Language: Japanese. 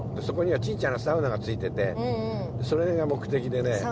そこにはちいちゃなサウナが付いててそれが目的でね。